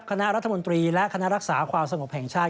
คณะรัฐมนตรีและคณะรักษาความสงบแห่งชาติ